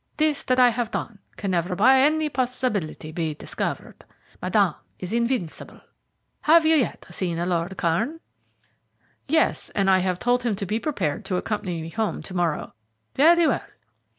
This that I have done can never by any possibility be discovered. Madame is invincible. Have you yet seen Lord Kairn?" "Yes, and I have told him to be prepared to accompany me home to morrow." "Very well."